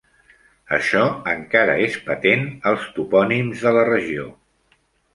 Això encara és patent als topònims de la regió.